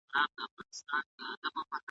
د جرم په مقابل کې د نجلۍ ورکول حرام دي.